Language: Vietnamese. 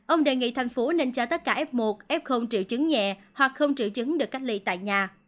ông đề nghị thành phố nên cho tất cả f một f triệu chứng nhẹ hoặc không triệu chứng được cách ly tại nhà